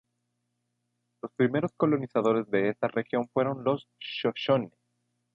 Los primeros colonizadores de esta región fueron los shoshone.